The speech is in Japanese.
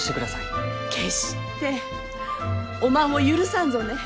決しておまんを許さんぞね！